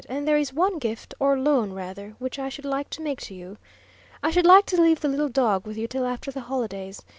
"And there is one gift or loan rather which I should like to make to you. I should like to leave the little dog with you till after the holidays.